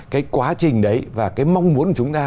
cái quá trình đấy và cái mong muốn của chúng ta